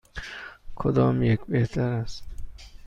کدام یک بهتر است؟